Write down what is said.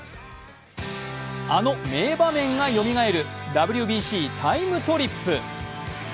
あの名場面がよみがえる「ＷＢＣＴＩＭＥ，トリップ」。